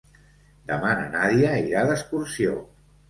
Demà na Nàdia irà d'excursió.